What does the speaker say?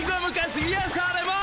いやされます。